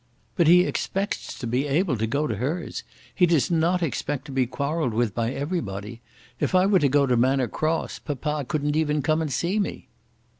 "But he expects to be able to go to hers. He does not expect to be quarrelled with by everybody. If I were to go to Manor Cross, papa couldn't even come and see me."